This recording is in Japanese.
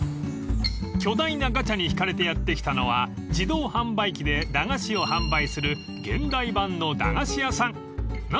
［巨大なガチャに引かれてやって来たのは自動販売機で駄菓子を販売する］